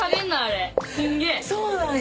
そうなんや。